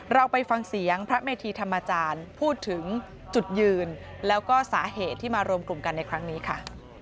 เราไปฟังเสียงพระเมธีธรรมจารย์พูดถึงจุดยืนแล้วก็สาเหตุที่มารวมกลุ่มกันในครั้งนี้ค่ะ